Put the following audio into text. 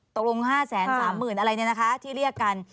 ตกลง๕๓๐๐๐๐๐อะไรแบบนี้นะคะที่เรียกกัน